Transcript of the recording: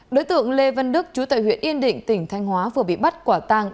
đối tượng lê văn đức chú tại huyện yên định tỉnh thanh hóa vừa bị bắt quả tang